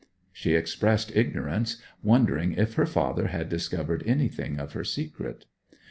She expressed ignorance, wondering if her father had discovered anything of her secret.